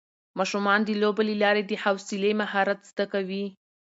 ماشومان د لوبو له لارې د حوصلې مهارت زده کوي